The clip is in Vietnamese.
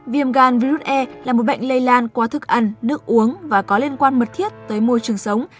viêm gan virus e là một bệnh lây lan qua thức ăn nước uống và có liên quan mật thiết tới môi trường sống